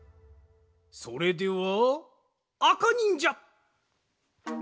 それではあかにんじゃ。